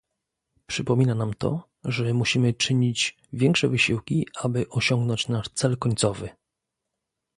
Przypomina nam to, że musimy czynić większe wysiłki, aby osiągnąć nasz cel końcowy